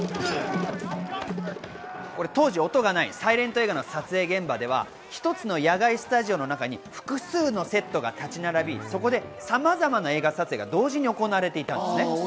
当時、音がないサイレント映画の撮影現場では、一つの野外スタジオの中に複数のセットが立ち並び、そこでさまざまな映画撮影が同時に行われていたんです。